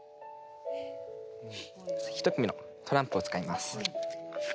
一組のトランプを使います。